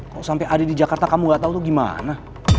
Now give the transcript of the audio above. kok sampai ada di jakarta kamu gak tau tuh gimana